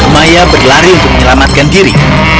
maya berlari untuk menyelamatkan diri